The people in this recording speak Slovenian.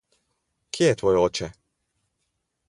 Kje je tvoj oče?